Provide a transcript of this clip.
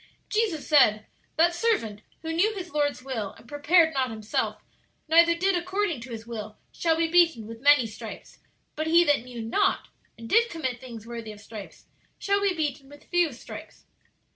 "Jesus said, 'That servant, who knew his Lord's will, and prepared not himself, neither did according to His will, shall be beaten with many stripes. But he that knew not, and did commit things worthy of stripes, shall be beaten with few stripes.'"